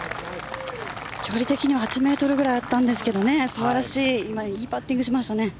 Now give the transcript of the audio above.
距離的には８ｍぐらいあったんですけど素晴らしいいいパッティングしましたね。